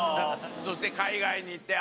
そして海外に行って